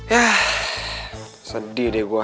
yah sedih deh gue